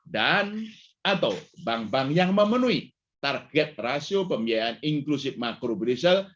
dan atau bank bank yang memenuhi target rasio pembiayaan inklusif makro grusel